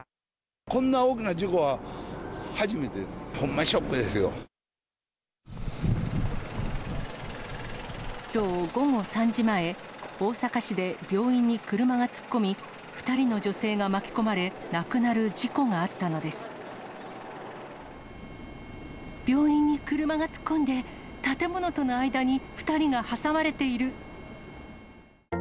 こんな大きな事故は初めてできょう午後３時前、大阪市で病院に車が突っ込み、２人の女性が巻き込まれ、亡くなる事故があ病院に車が突っ込んで、建物との間に２人が挟まれている。